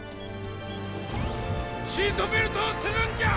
シートベルトをするんじゃ！